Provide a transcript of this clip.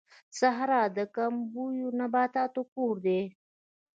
صحرا د کم اوبو نباتاتو کور دی